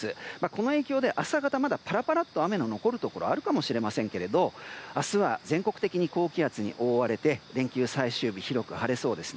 この影響で朝方雨の残るところがあるかもしれませんけど明日は全国的に高気圧に覆われて連休最終日広く晴れそうです。